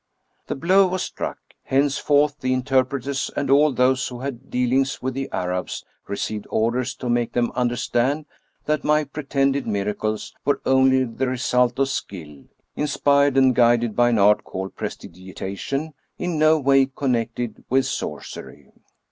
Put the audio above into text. The blow was struck: henceforth the interpreters and all those who had dealings with the Arabs received orders to make them tmderstand that my pretended miracles were only the result of skill, inspired and guided by an art called prestidigitation, in no way connected with sorcery.